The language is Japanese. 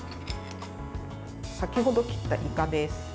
先ほど切った、いかです。